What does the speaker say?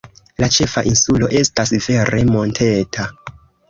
La ĉefa insulo estas vere monteta.